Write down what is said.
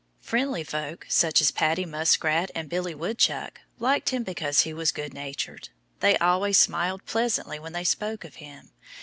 Friendly folk, such as Paddy Muskrat and Billy Woodchuck, liked him because he was good natured. They always smiled pleasantly when they spoke of him.